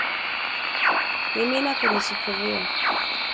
mimina kwenye sufuria